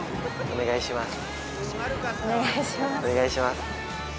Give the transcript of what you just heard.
お願いします